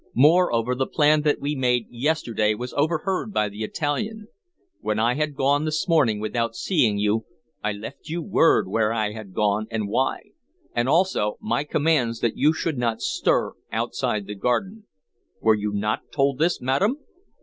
Moreover, the plan that we made yesterday was overheard by the Italian. When I had to go this morning without seeing you, I left you word where I had gone and why, and also my commands that you should not stir outside the garden. Were you not told this, madam?"